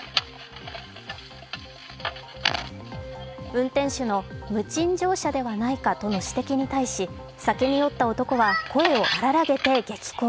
運転手の無賃乗車ではないかとの指摘に対し酒に酔った男は声を荒らげて激高。